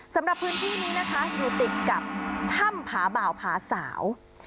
สำหรับพื้นที่นี้นะคะอยู่ติดกับถ้ำผาบ่าวผาสาว